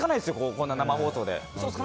こんな生放送で。